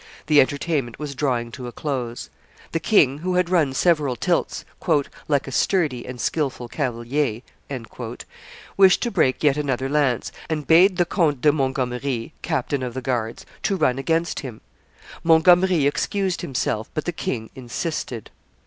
The entertainment was drawing to a close. The king, who had run several tilts "like a sturdy and skilful cavalier," wished to break yet another lance, and bade the Count de Montgomery, captain of the guards, to run against him. Montgomery excused himself; but the king insisted.